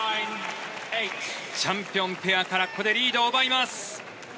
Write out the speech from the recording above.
チャンピオンペアからここでリードを奪います。